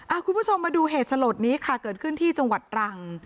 คุณผู้ชมมาดูเหตุสลดนี้ค่ะเกิดขึ้นที่จังหวัดตรัง